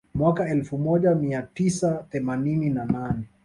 Mwaka elfu moja mia tisa themanini na nane